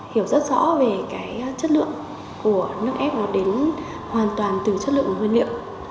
hiểu rất rõ về cái chất lượng của nước ép nó đến hoàn toàn từ chất lượng nguyên liệu